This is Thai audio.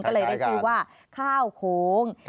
ก็เลยได้ชื่อว่าข้าวโค้ง